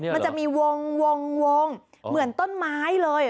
มันจะมีวงเหมือนต้นไม้เลย